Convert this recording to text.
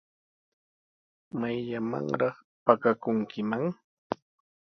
¿Mayllamanraq pakakunkiman?